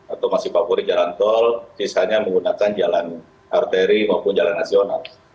atau masih favorit jalan tol sisanya menggunakan jalan arteri maupun jalan nasional